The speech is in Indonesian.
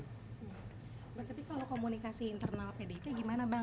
berarti kalau komunikasi internal pdt gimana bang